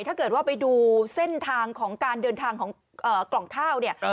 ถ้าเกิดว่าไปดูเส้นทางของการเดินทางของกล่องข้าวเนี่ย